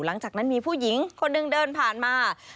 หลังจากนั้นมีผู้หญิงคนหนึ่งเดินผ่านมา